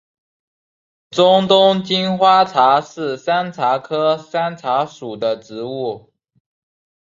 中东金花茶是山茶科山茶属的植物。